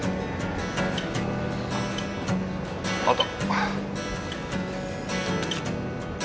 あった。